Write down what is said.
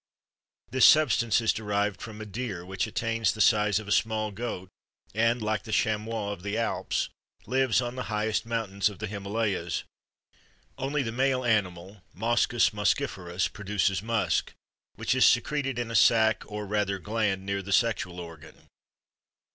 This substance is derived from a deer which attains the size of a small goat and, like the chamois of the Alps, lives on the highest mountains of the Himalayas. Only the male animal (Moschus moschiferus) produces musk, which is secreted in a sac or rather gland near the sexual organ.